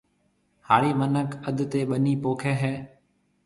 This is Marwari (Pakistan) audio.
ھاڙِي مِنک اڌ تيَ ٻنِي پوکيَ ھيََََ